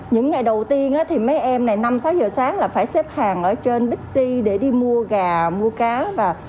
những ngày đầu tiên thì mấy em này năm sáu giờ sáng là phải xếp hàng ở trên bixi để đi mua gà mua cá